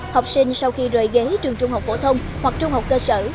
học sinh sau khi rời ghế trường trung học phổ thông hoặc trung học cơ sở